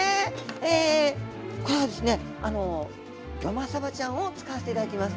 えこれはですねギョまさばちゃんを使わせていただきます。